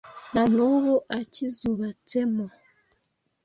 na n’ubu acyizubatse mo